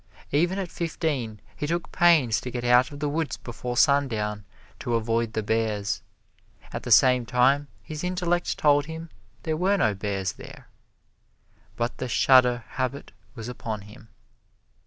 Even at fifteen, he took pains to get out of the woods before sundown to avoid the bears. At the same time his intellect told him there were no bears there. But the shudder habit was upon him.